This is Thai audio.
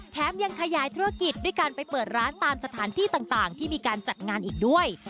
ยังขยายธุรกิจด้วยการไปเปิดร้านตามสถานที่ต่างที่มีการจัดงานอีกด้วย